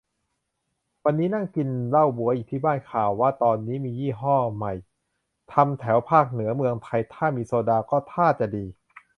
วันนี้นั่งกินเหล้าบ๊วยอยู่บ้าน ข่าวว่าตอนนี้มียี่ห้อใหม่ ทำแถวภาคเหนือเมืองไทย ถ้ามีโซดาก็ท่าจะดี